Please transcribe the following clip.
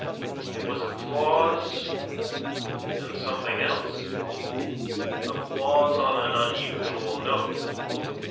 It was applause and something else; applause on an unusual note.